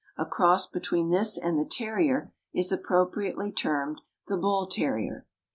A cross between this and the terrier is appropriately termed the bull terrier.